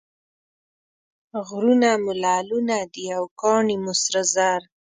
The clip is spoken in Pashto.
غرونه مو لعلونه دي او کاڼي مو سره زر.